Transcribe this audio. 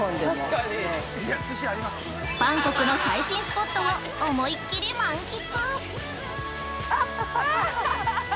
◆バンコクの最新スポットを思いっきり満喫。